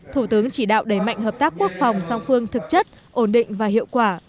thủ tướng chỉ đạo đẩy mạnh hợp tác quốc phòng song phương thực chất ổn định và hiệu quả